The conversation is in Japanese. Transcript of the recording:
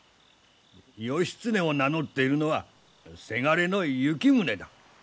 義経を名乗っているのはせがれの行宗だ。